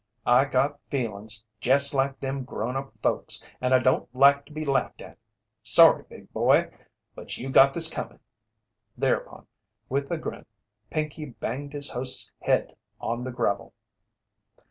"I got feelin's jest like grown up folks, and I don't like to be laughed at. Sorry, Big Boy, but you got this comin'!" Thereupon, with a grin, Pinkey banged his host's head on the gravel.